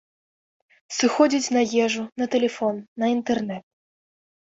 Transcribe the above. Сыходзіць на ежу, на тэлефон, на інтэрнэт.